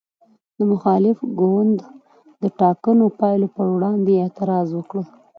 د مخالف ګوند د ټاکنو پایلو پر وړاندې اعتراض وکړ.